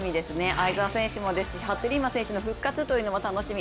相澤選手もですし服部勇馬選手の復活も楽しみ。